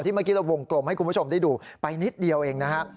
เมื่อกี้เราวงกลมให้คุณผู้ชมได้ดูไปนิดเดียวเองนะฮะ